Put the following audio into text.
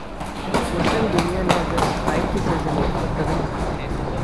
مسلم دنیا نے اگر حقائق کی سرزمین پر قدم رکھا ہے۔